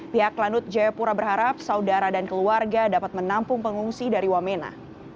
pihak lanut jayapura berharap saudara dan keluarga dapat menampung pengungsi dari wamena